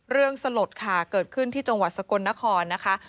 สลดค่ะเกิดขึ้นที่จังหวัดสกลนครนะคะ